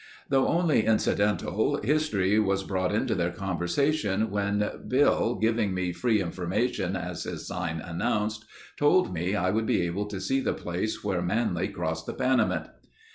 Though only incidental, history was brought into their conversation when Bill, giving me "free information" as his sign announced, told me I would be able to see the place where Manly crossed the Panamint.